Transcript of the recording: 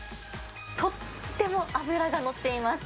とっても脂が乗っています。